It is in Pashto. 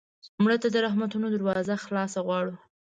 مړه ته د رحمتونو دروازې خلاصې غواړو